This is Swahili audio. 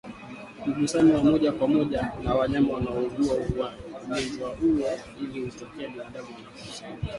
mgusano wa moja kwa moja na wanyama wanaougua ugonjwa huo Hili hutokea binadamu anapomsaidia